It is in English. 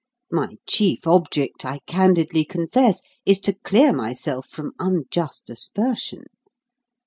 My chief object, I candidly confess, is to clear myself from unjust aspersion.